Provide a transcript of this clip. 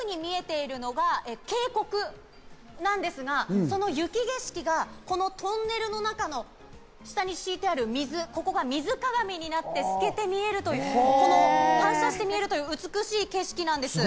奥に見えているのが渓谷なんですが、その雪景色がこのトンネルの中の下に敷いてある水、ここが水鏡になって透けて見えるという、反射して見えるという美しい景色なんです。